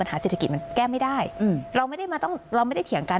ปัญหาเศรษฐกิจมันแก้ไม่ได้เราไม่ได้เถียงกัน